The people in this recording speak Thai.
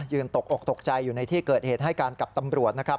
ตกอกตกใจอยู่ในที่เกิดเหตุให้การกับตำรวจนะครับ